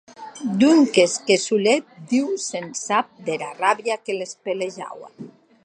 Donques que solet Diu se’n sap dera ràbia que les pelejaua.